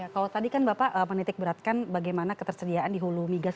kalau tadi kan bapak menitik beratkan bagaimana ketersediaan di hulu migas